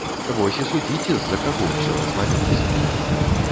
Вось і судзіце, з-за каго ўсё развалілася.